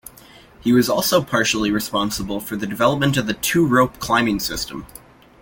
He was also partially responsible for the development of the "two rope" climbing system.